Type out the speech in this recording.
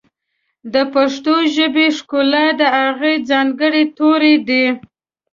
د پښتو ژبې ښکلا د هغې ځانګړي توري دي.